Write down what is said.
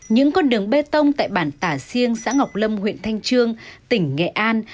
những con đường bê tông tại bản tả siêng xã ngọc lâm huyện thanh trương tỉnh nghệ an